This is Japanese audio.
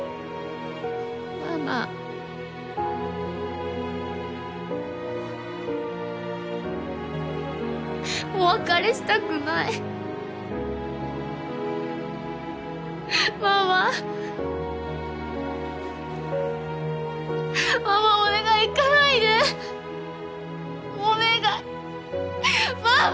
ママお別れしたくないママママお願いいかないでお願いママ！